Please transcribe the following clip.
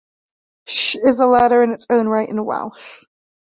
"Ll" is a letter in its own right in Welsh.